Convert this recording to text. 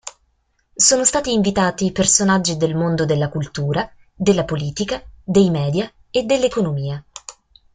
Sono stati invitati personaggi del mondo della cultura, della politica, dei media, e dell’economia.